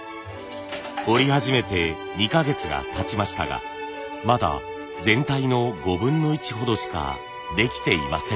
織り始めて２か月がたちましたがまだ全体の５分の１ほどしかできていません。